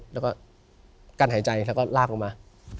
แล้วก็กั้นหายใจแล้วก็ลากลงมา